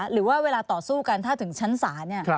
หรือว่าเวลาต่อสู้กันถ้าถึงชั้นศาล